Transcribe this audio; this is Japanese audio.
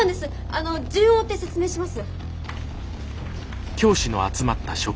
あの順を追って説明します。